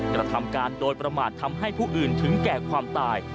กระทำการโดยประมาททำให้ผู้อื่นถึงแก่ความตาย